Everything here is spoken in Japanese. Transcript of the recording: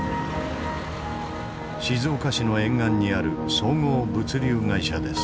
静岡市の沿岸にある総合物流会社です。